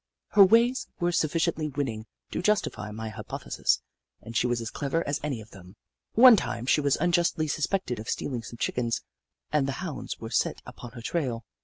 Her ways were sufficiently winning to justify my hypothesis, and she was as clever as any of them. One time, she was unjustly suspected of stealing some Chickens, and the Hounds were set upon her trail.